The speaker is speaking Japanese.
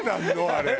あれ。